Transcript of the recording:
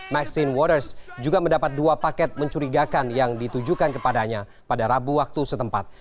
maxin waters juga mendapat dua paket mencurigakan yang ditujukan kepadanya pada rabu waktu setempat